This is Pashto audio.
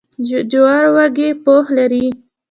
د جوارو وږی پوښ لري.